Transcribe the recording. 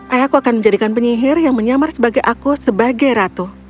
ayahku akan menjadikan penyihir yang menyamar sebagai aku sebagai ratu